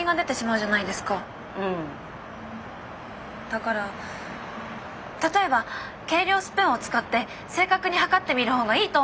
だから例えば計量スプーンを使って正確に量ってみる方がいいと思うんです。